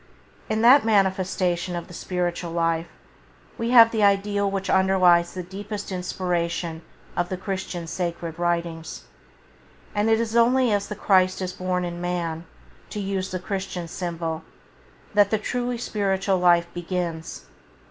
In that manifestation of the spiritual life we have the ideal which underlies the deepest inspiration of the Christian sacred writings, and it is only as "the Christ is born in man", to use the Christian symbol, that the truly spiritual life begins.